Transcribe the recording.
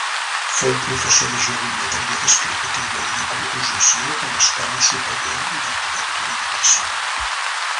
Fou professor de geometria descriptiva i de composició a l'Escola Superior d'Arquitectura de Barcelona.